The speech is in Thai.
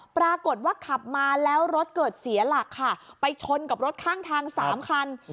ปรากฏว่าขับมาแล้วรถเกิดเสียหลักค่ะไปชนกับรถข้างทางสามคัน